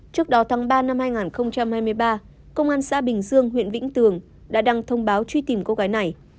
trước đó tháng ba năm hai nghìn hai mươi ba công an xã bình dương huyện vĩnh tường đã đăng thông báo truy tìm cô gái này